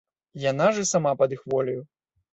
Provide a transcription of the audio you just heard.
Яна ж і сама пад іх воляю.